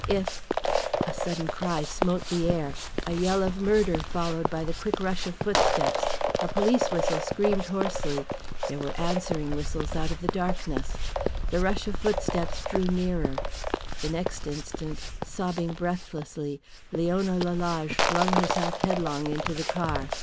If A sudden cry smote the air, a yell of murder followed by the quick rush of footsteps. A police whistle screamed hoarsely, there were answering whistles out of the darkness. The rush of footsteps drew nearer. The next instant, sobbing breathlessly, Leona Lalage flung herself headlong into the car.